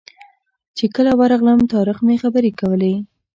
چې کله ورغلم طارق خبرې کولې.